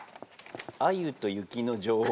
アユと雪の女王